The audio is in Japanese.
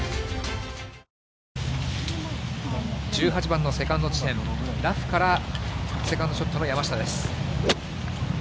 １８番のセカンド地点、ラフからセカンドショットの山下です。